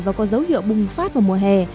và có dấu hiệu bùng phát vào mùa hè